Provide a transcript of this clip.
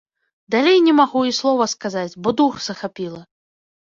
Далей не магу і слова сказаць, бо дух захапіла.